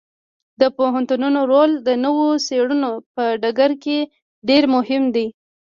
د پوهنتونونو رول د نویو څیړنو په ډګر کې ډیر مهم دی.